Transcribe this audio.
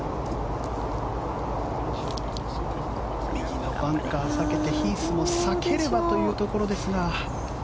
右のバンカーを避けてヒースも避ければというところですが。